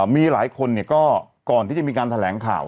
มีหลายคนก็ก่อนที่จะมีการแถลงข่าว